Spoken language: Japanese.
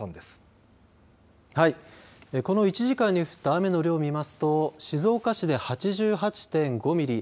この１時間に降った雨の量を見ますと静岡市で８８．５ミリ。